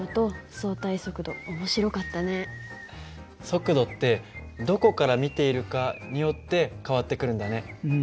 速度ってどこから見ているかによって変わってくるんだね。